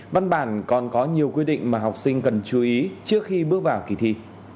văn bản còn có nhiều quy định mà học sinh cần chú ý trước khi bước vào kỳ thi